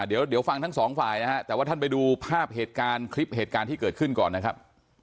เดี๋ยวฟังทั้งสองฝ่ายนะฮะแต่ว่าท่านไปดูภาพเหตุการณ์คลิปเหตุการณ์ที่เกิดขึ้นก่อนนะครับ